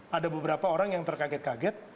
jadi saya terkaget kaget